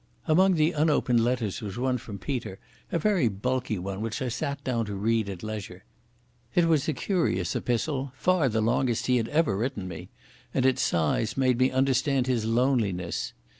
Among the unopened letters was one from Peter, a very bulky one which I sat down to read at leisure. It was a curious epistle, far the longest he had ever written me, and its size made me understand his loneliness.